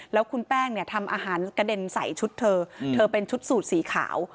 แล้วคุณแป้งทำอาหารสายชุดเธอชุดสูดสีขาว